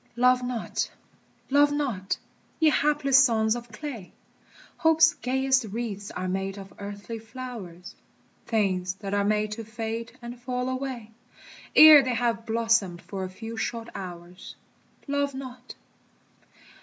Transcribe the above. Love not, love not, ye hapless sons of clay! Hope's gayest wreaths are made of earthly flowers, Things that are made to fade and fall away Ere they have blossomed for a few short hours. Love not!